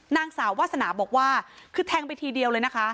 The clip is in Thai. นางสาววาสนาบอกว่าคือแทงไปทีเดียวเลยนะคะ